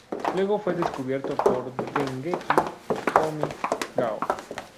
Luego fue descubierto por Dengeki Comic Gao!.